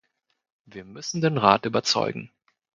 Wir müssen den Rat überzeugen.